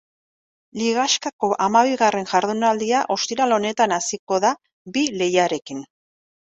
Ligaxkako hamabigarren jardunaldia ostiral honetan hasiko da bi lehiarekin.